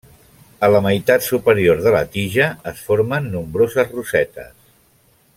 A la meitat superior de la tija es formen nombroses rosetes.